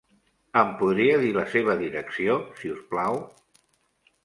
Em podria dir la seva direcció, si us plau?